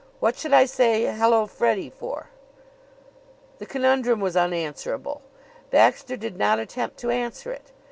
What should I say, 'Hello, Freddie!' for?" The conundrum was unanswerable. Baxter did not attempt to answer it.